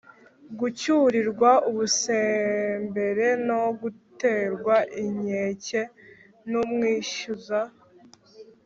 gucyurirwa ubusembere no guterwa inkeke n’umwishyuza.